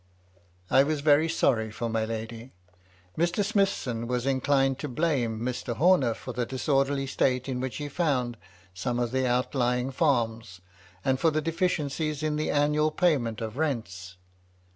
I was very sorry for my lady. Mr. Smithson was inclined to blame Mr. Homer for the disorderly state in which he found some of the outlying farms, and for the deficiencies in the annual payment of rents.